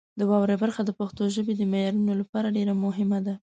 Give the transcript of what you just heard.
د واورئ برخه د پښتو ژبې د معیارونو لپاره ډېره مهمه ده.